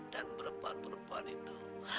dan perempuan perempuan itu